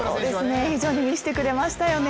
非常にみせてくれましたよね。